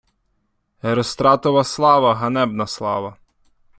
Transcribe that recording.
Геростратова слава — ганебна слава